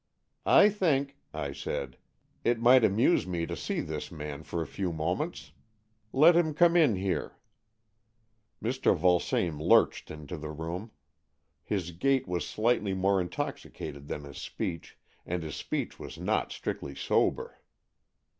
" I think," I said, " it might amuse me to see this man for a few moments. Let him come in here." Mr. Vulsame lurched into the room. His gait was slightly more intoxicated than his speech, and his speech was not strictly sober.